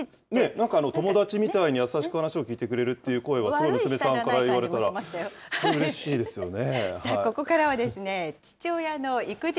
なんか、友達みたいに優しく話を聞いてくれるっていうのは、すごい娘さんから言われたらうれしいですよね。